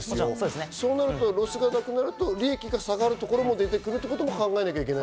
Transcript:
そうなるとロスがなくなると、利益が下がるところも出てくるってことも考えなきゃいけない。